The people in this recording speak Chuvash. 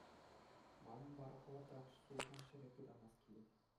Манӑн вара хӑвӑртрах сулхӑн ҫӗре пытанас килет.